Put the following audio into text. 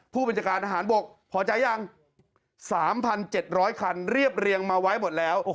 ผู้บัญชาการทหารบกพอใจยัง๓๗๐๐คันเรียบเรียงมาไว้หมดแล้ว